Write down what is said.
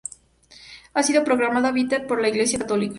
Ha sido proclamada beata por la Iglesia Católica.